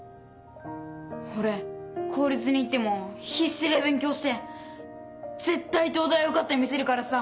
俺公立に行っても必死で勉強して絶対東大受かってみせるからさ。